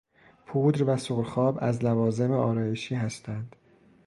پودر و سرخاب از لوازم آرایشی هستند.